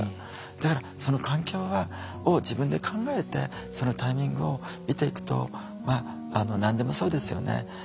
だからその環境を自分で考えてそのタイミングを見ていくと何でもそうですよね